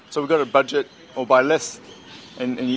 jadi kita harus membeli lebih banyak